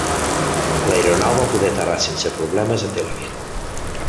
L'aeronau va poder aterrar sense problemes a Tel Aviv.